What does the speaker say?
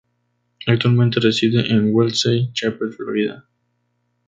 Actualmente reside en Wesley Chapel, Florida.